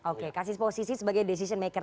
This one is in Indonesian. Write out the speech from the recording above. oke kasih posisi sebagai decision maker